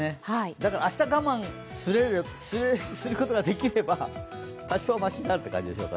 だから明日我慢することできれば、多少はましになるという感じでしょうか。